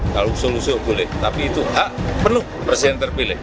kalau solusi boleh tapi itu hak perlu presiden terpilih